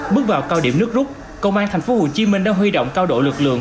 bước vào cao điểm nước rút công an thành phố hồ chí minh đã huy động cao độ lực lượng